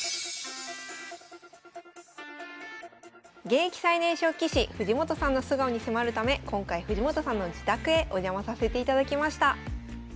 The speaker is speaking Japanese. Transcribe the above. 現役最年少棋士藤本さんの素顔に迫るため今回藤本さんの自宅へお邪魔させていただきました。